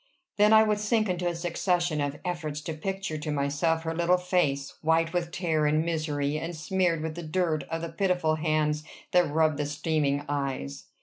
Then I would sink into a succession of efforts to picture to myself her little face, white with terror and misery, and smeared with the dirt of the pitiful hands that rubbed the streaming eyes.